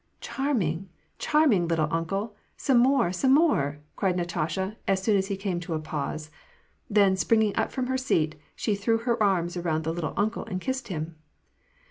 "Charming! charming, 'little uncle!' Some more, some more !^ cried Natasha, as soon as he came to a pause. Then, springing up from her seat, she threw her arms around the " little uncle," and kissed him.